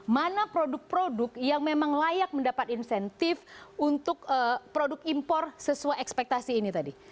mana produk produk yang memang layak mendapat insentif untuk produk impor sesuai ekspektasi ini tadi